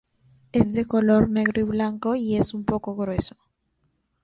Es de color negro y blanco y es un poco grueso.